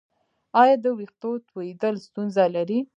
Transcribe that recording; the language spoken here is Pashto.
ایا د ویښتو تویدو ستونزه لرئ؟